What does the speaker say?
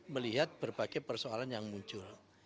melihat berbagai persoalan yang muncul